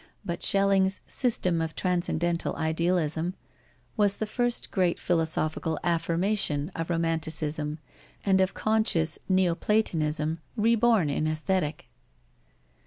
But Schelling's "system of transcendental idealism" was the first great philosophical affirmation of Romanticism and of conscious Neo platonism reborn in Aesthetic.